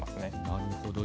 なるほど。